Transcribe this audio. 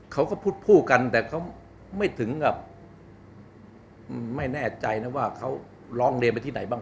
เขาก็พูดกันแต่เขาไม่ถึงกับไม่แน่ใจนะว่าเขาร้องเรียนไปที่ไหนบ้าง